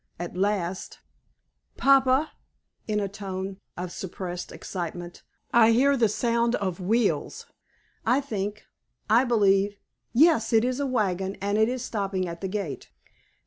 At last: "Papa!" in a tone of suppressed excitement "I hear the sound of wheels. I think I believe yes, it is a wagon, and it is stopping at the gate.